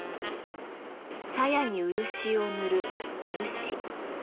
鞘に漆を塗る「塗師」。